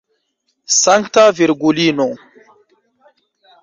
Sankta Virgulino!